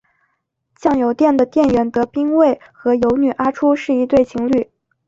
酱油店的店员德兵卫和游女阿初是一对情侣。